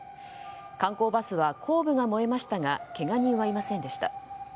観光バスは後部が燃えましたがけが人はいませんでした。